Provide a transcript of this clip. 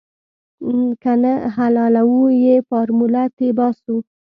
که نه حلالوو يې فارموله تې باسو.